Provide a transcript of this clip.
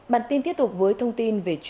bản tin tiếp tục với thông tin về truy nã tội phạm